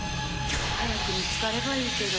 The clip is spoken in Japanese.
早く見つかればいいけど。